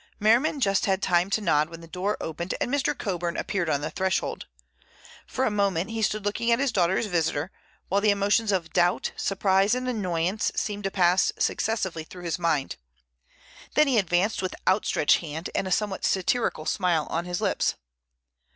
Merriman had just time to nod when the door opened and Mr. Coburn appeared on the threshold. For a moment he stood looking at his daughter's visitor, while the emotions of doubt, surprise and annoyance seemed to pass successively through his mind. Then he advanced with outstretched hand and a somewhat satirical smile on his lips.